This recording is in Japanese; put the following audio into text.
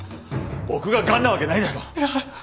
僕が癌なわけないだろ。